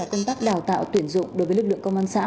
cũng như là công tác đào tạo tuyển dụng đối với lực lượng công an xã